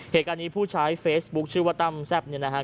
เหตุการณีผู้ใช้เฟซบุ๊คชื่อวะตัมแซปนี่นะครับ